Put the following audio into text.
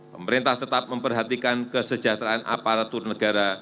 pemerintah tetap memperhatikan kesejahteraan aparatur negara